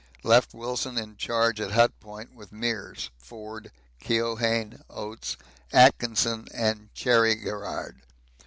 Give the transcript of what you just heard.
Left Wilson in charge at Hut Point with Meares, Forde, Keohane, Oates, Atkinson, and Cherry Garrard.